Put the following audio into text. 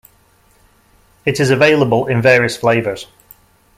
It is available in various flavors.